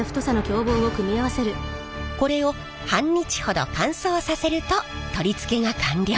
これを半日ほど乾燥させると取り付けが完了。